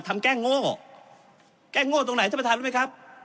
แกล้งโง่แกล้งโง่ตรงไหนท่านประธานรู้ไหมครับ